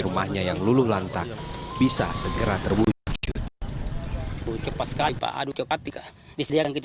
rumahnya yang luluh lantang bisa segera terwujud cepat sekali pak aduh cepat dikasih di sini kita